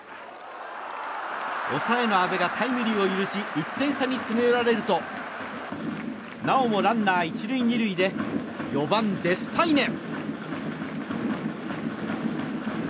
抑えの阿部がタイムリーを許し１点差に詰め寄られるとなおもランナー１塁２塁で４番、デスパイネ。